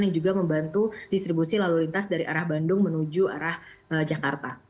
yang juga membantu distribusi lalu lintas dari arah bandung menuju arah jakarta